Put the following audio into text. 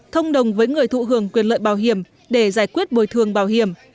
thông đồng với người thụ hưởng quyền lợi bảo hiểm để giải quyết bồi thường bảo hiểm